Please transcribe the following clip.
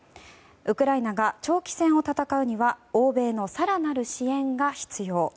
ウクライナが長期戦を戦うには欧米の更なる支援が必要。